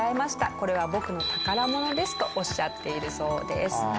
「これは僕の宝物です」とおっしゃっているそうです。